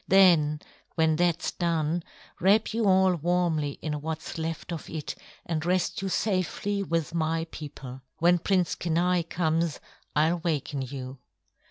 Then when that's done, wrap you all warmly in what's left of it and rest you safely with my people. When Prince Kenai comes I'll waken you."